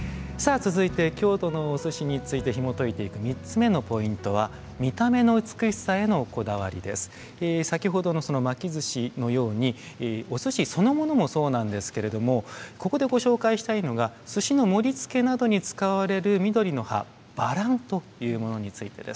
続いて京都のお寿司についてひもといていく３つ目のポイントは先ほどの巻きずしのようにお寿司そのものもそうなんですけれどもここでご紹介したいのが寿司の盛りつけなどに使われる緑の葉バランというものについてです。